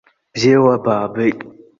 Бзиала баабеит!